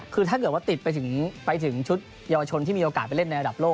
คือถ้าเกิดว่าติดไปถึงชุดเยาวชนที่มีโอกาสไปเล่นในระดับโลก